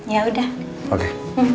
ya udah oke